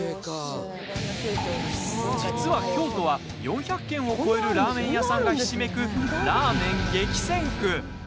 実は京都は４００軒を超えるラーメン屋さんがひしめくラーメン激戦区。